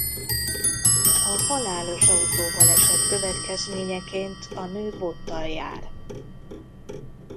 A halálos autóbaleset következményeként a nő bottal jár.